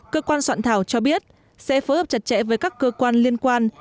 cơ quan soạn thảo cho biết sẽ phối hợp chặt chẽ với các cơ quan liên quan